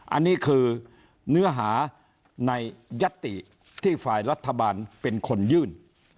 อันนี้คือเนื้อหาในยัตติที่ฝ่ายรัฐบาลเป็นคนยื่น